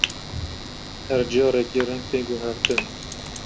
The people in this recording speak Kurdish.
Her carekê, reng tê guhertin.